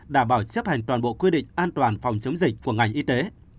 đảm bảo chấp hành toàn bộ quy định an toàn phòng chống dịch của ngành y tế